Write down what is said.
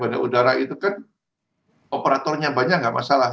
bandar udara itu kan operatornya banyak nggak masalah